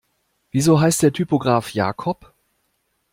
Wieso heißt der Typograf Jakob?